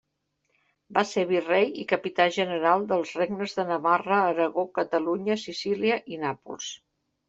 Va ser Virrei i capità general dels regnes de Navarra, Aragó, Catalunya, Sicília i Nàpols.